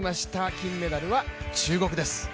金メダルは中国です。